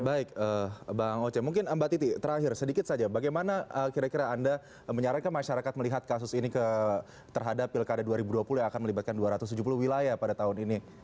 baik bang oce mungkin mbak titi terakhir sedikit saja bagaimana kira kira anda menyarankan masyarakat melihat kasus ini terhadap pilkada dua ribu dua puluh yang akan melibatkan dua ratus tujuh puluh wilayah pada tahun ini